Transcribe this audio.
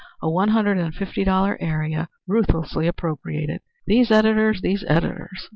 "A one hundred and fifty dollar idea ruthlessly appropriated. These editors, these editors!"